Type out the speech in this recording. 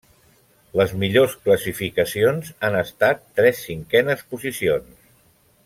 Les millors classificacions han estat tres cinquenes posicions.